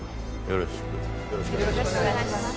よろしくお願いします。